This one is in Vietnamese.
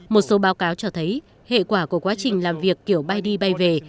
một số báo cáo cho thấy hệ quả của quá trình làm việc kiểu bay đi bay về